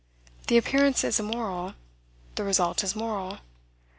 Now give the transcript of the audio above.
The appearance is immoral; the result is moral.